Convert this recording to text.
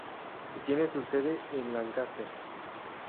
Tiene su sede en Lancaster.